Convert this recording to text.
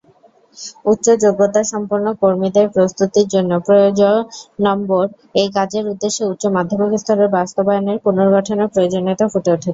উচ্চ যোগ্যতাসম্পন্ন কর্মীদের প্রস্তুতির জন্য প্রয়োজনম্বর এই কাজের উদ্দেশ্য উচ্চ মাধ্যমিক স্তরের বাস্তবায়নের পুনর্গঠনের প্রয়োজনীয়তা ফুটে উঠেছে।